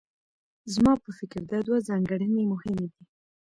زما په فکر دا دوه ځانګړنې مهمې دي.